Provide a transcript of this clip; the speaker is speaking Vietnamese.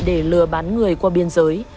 để lừa bán người qua biên giới